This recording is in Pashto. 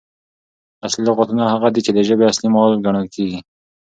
اصلي لغاتونه هغه دي، چي د ژبي اصلي مال ګڼل کیږي.